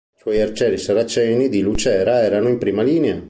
I suoi arcieri saraceni di Lucera erano in prima linea.